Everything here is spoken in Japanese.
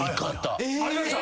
ありました？